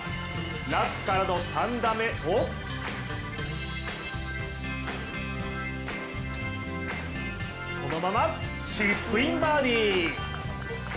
ラフからの３打目をこのままチップインバーディー。